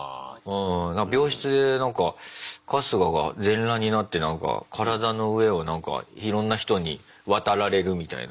病室でなんか春日が全裸になって体の上をなんかいろんな人に渡られるみたいな。